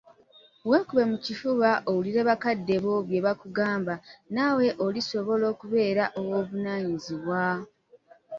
Weekube mu kifuba owulire bakadde bo bye bakugamba naawe lw'olisobola okubeera ow'obuvunaanyizibwa.